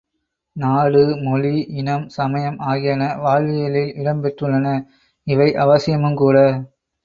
நாடு, மொழி, இனம், சமயம் ஆகியன வாழ்வியலில் இடம் பெற்றுள்ளன இவை அவசியமும்கூட!